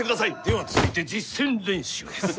では続いて実戦練習です。